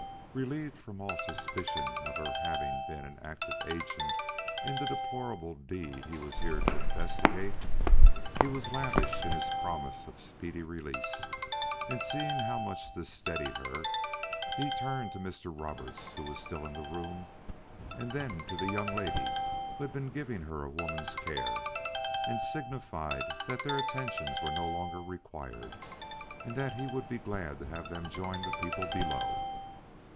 Relieved from all suspicion of her having been an active agent in the deplorable deed he was here to investigate, he was lavish in his promises of speedy release, and seeing how much this steadied her, he turned to Mr. Roberts, who was still in the room, and then to the young lady who had been giving her a woman's care, and signified that their attentions were no longer required and that he would be glad to have them join the people below.